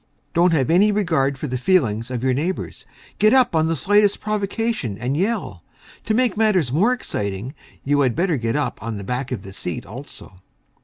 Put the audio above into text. Don't have any regard for the feelings of your neighbors. Get up on the slightest provocation and yell. To make matters more exciting you had better get up on the back of the seat also.